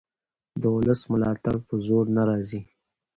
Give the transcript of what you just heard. د ولس ملاتړ په زور نه راځي